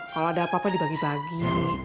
kalau ada apa apa dibagi bagi